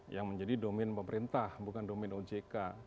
yang menjadi domin pemerintah bukan domin ojk